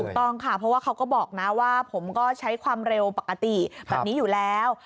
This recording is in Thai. ต้องค่ะเพราะว่าเขาก็บอกนะว่าผมก็ใช้ความเร็วปกติแบบนี้อยู่แล้ว